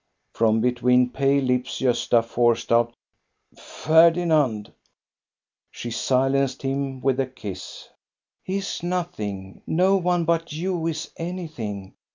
From between pale lips Gosta forced out, —" Ferdinand." She silenced him with a kiss. " He is nothing; no one but you is anything.